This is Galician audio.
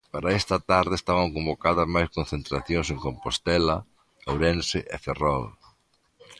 Para esta tarde estaban convocadas máis concentracións en Compostela, Ourense e Ferrol.